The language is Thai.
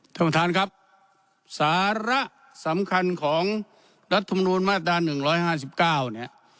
ท่านประธานครับสาระสำคัญของรัฐมนูลมาตรา๑๕๙เนี่ย